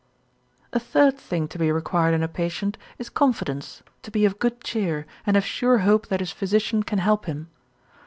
A third thing to be required in a patient, is confidence, to be of good cheer, and have sure hope that his physician can help him.